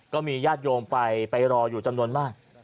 ก็มีญาติโยมไปไปรออยู่จำนวนมาก